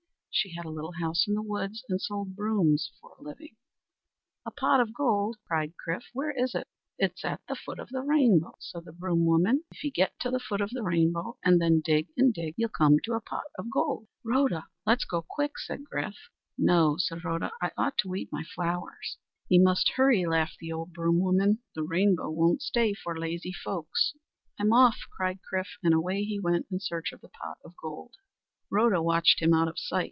She had a little house in the woods and sold brooms for a living. "A pot of gold!" cried Chrif. "Where is it?" "It's at the foot of the rainbow," said the broom woman. "If ye get to the foot of the rainbow and then dig and dig, ye'll come to a pot of gold." "Rhoda! let's go quick!" said Chrif. "No," said Rhoda, "I ought to weed my flowers." "Ye must hurry," laughed the old broom woman. "The rainbow won't stay for lazy folks." "I'm off!" cried Chrif; and away he went in search of the pot of gold. Rhoda watched him out of sight.